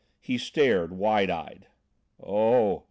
He stared, wide eyed. "Oh!